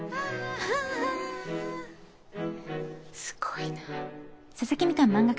すごいな。